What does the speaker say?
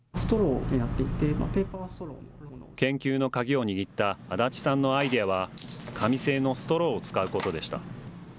研究の鍵を握った足立さんのアイデアは、紙製のストローを使うことでした。